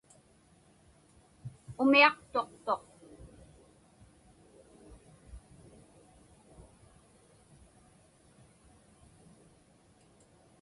Umiaqtuqtuq.